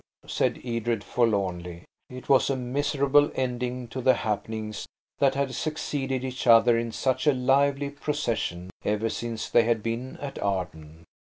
said Edred forlornly. It was a miserable ending to the happenings that had succeeded each other in such a lively procession ever since they had been at Arden.